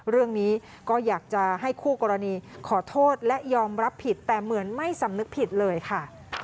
เรื่องนี้ก็อยากจะให้คู่กรณีขอโทษและยอมรับผิดแต่เหมือนไม่สำนึกผิดเลยค่ะ